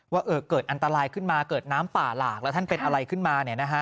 ว่าเกิดอันตรายขึ้นมาเกิดน้ำป่าหลากแล้วท่านเป็นอะไรขึ้นมา